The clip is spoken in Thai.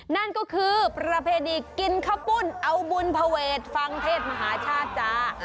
นั่นก็คือประเพณีกินข้าวปุ้นเอาบุญภเวทฟังเทศมหาชาติจ้า